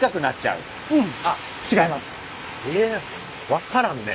分からんね。